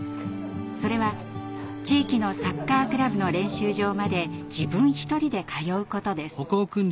それは地域のサッカークラブの練習場まで自分一人で通うことです。